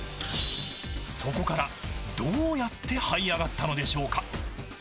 そこから、どうやってはい上がったのでしょうか。